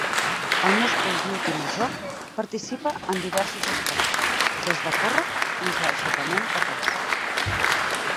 El múscul gluti major participa en diversos esports, des de córrer fins a aixecament de pes.